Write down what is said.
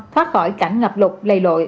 thoát khỏi cảnh ngập lục lầy lội